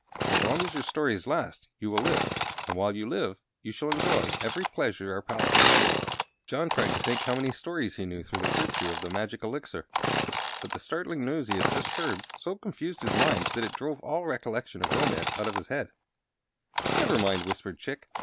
As long as your stories last you will live; and while you live you shall enjoy every pleasure our palace affords." John tried to think how many stories he knew through the virtue of the magic Elixir; but the startling news he had just heard so confused his mind that it drove all recollection of romance out of his head. "Never mind," whispered Chick.